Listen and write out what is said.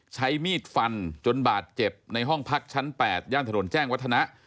ใช้มีดฟันจนบาดเจ็บในห้องพักชั้น๘ย่านถนนแจ้งวัฒนะ